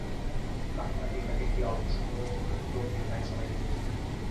কারখানার তিনটি গেট দিয়ে অল্প সময়ের মধ্যেই প্রায় সবাই নিচে এসেছিলেন।